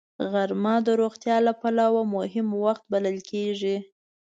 غرمه د روغتیا له پلوه مهم وخت بلل کېږي